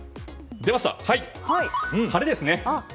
晴れですね。